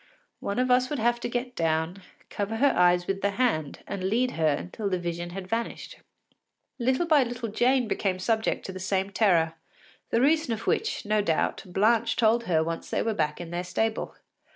One of us would have to get down, cover her eyes with the hand and lead her until the vision had vanished. Little by little Jane became subject to the same terror, the reason of which, no doubt, Blanche told her once they were back in their stable.